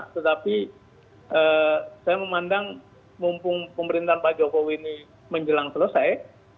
tetapi saya memandang mumpung pemerintahan pak jokowi ini menjelang selesai